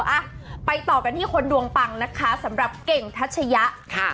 อ่ะไปต่อกันที่คนดวงปังนะคะสำหรับเก่งทัชยะค่ะ